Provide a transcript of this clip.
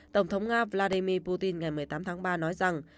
tổng thống nga vladimir putin ngày một mươi tám tháng ba nói rằng